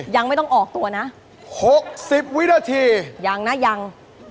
ยังยังยัง